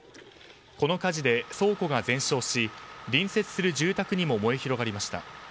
この火事で倉庫が全焼し隣接する住宅にも燃え広がりました。